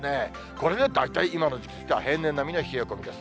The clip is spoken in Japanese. これで大体今の時期としては平年並みの冷え込みです。